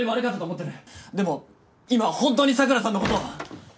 でも今は本当に桜さんのことを。